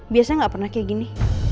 biasanya gak pernah kayak gini